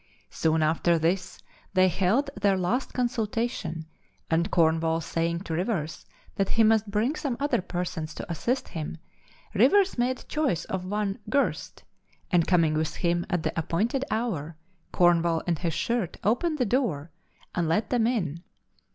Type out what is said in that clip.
Soon after this they held their last consultation, and Cornwall saying to Rivers that he must bring some other persons to assist him, Rivers made choice of one Girst, and coming with him at the appointed hour, Cornwall in his shirt opened the door and let them in.